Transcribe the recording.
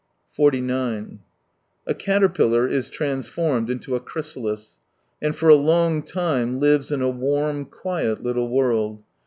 49 A caterpillar is transformed into a chrysalis, and for a long time lives in a warm, quiet little world.